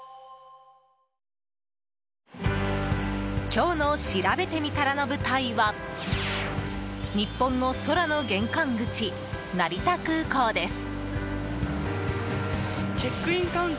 今日のしらべてみたらの舞台は日本の空の玄関口、成田空港です。